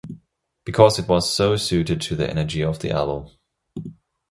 Because it was so suited to the energy of the album.